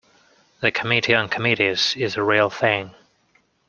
The Committee on Committees is a real thing.